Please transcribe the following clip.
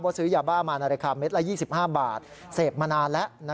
ว่าซื้อหยาบ้ามานะแหละค่ะเม็ดละ๒๕บาทเสพมานานแล้ว